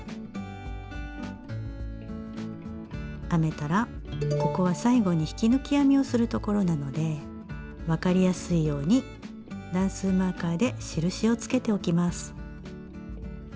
編めたらここは最後に引き抜き編みをするところなのでわかりやすいように段数マーカーで印をつけておきます。